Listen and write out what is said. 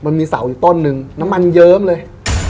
มันมีเสาอยู่ต้นนึงน้ำมันเยิ้มเลย